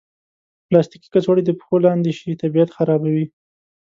پلاستيکي کڅوړې د پښو لاندې شي، طبیعت خرابوي.